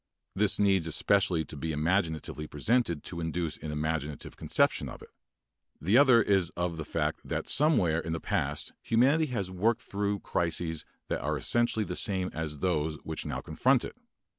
This needs especially to be imaginatively presented to induce an imaginative conception of it. The other is of the fact that somewhere in the past humanity has worked through crises which are essentially the same as those which now confront it.